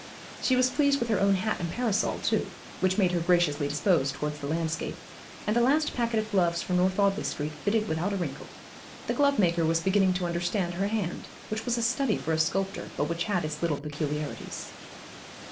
She was pleased with her own hat and parasol too, which made her graciously disposed towards the landscape; and the last packet of gloves from North Audley Street fitted without a wrinkle. The glovemaker was beginning to understand her hand, which was a study for a sculptor, but which had its little peculiarities.